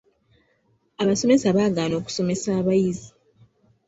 Abasomesa baagaana okusomesa abayizi.